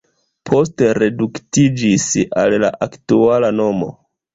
Poste reduktiĝis al la aktuala nomo.